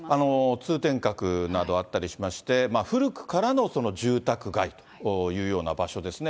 通天閣などあったりしまして、古くからの住宅街というような場所ですね。